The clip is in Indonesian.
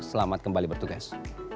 selamat kembali bertugas